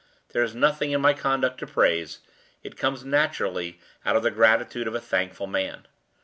There is nothing in my conduct to praise; it comes naturally out of the gratitude of a thankful man.